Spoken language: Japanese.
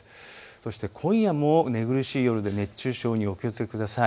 そして今夜も寝苦しい夜で熱中症にお気をつけください。